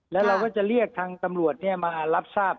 แล้วเราก็จะเรียกทางตำรวจมารับทราบ